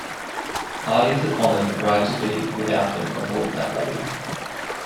Parties that honored the bride-to-be without them avoided that label.